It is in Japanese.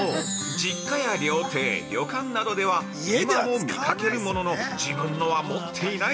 実家や料亭、旅館などでは今も見かけるものの自分のは持っていない。